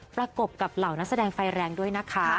ประกบกับเหล่านักแสดงไฟแรงด้วยนะคะ